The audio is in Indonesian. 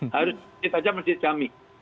harus di tanah masjid jami